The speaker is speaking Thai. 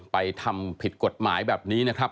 ทำผิดกฎหมายแบบนี้นะครับ